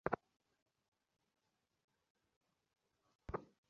রোববার রাতে তাঁরা ডাকাতি করার পরিকল্পনা করছিলেন বলে ধারণা করা হচ্ছে।